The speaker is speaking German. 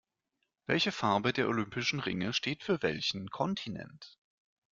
Welche Farbe der olympischen Ringe steht für welchen Kontinent?